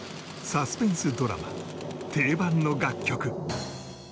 サスペンスドラマ定番の楽曲